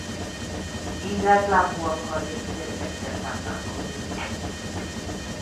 Ízeltlábúakkal és férgekkel táplálkozik.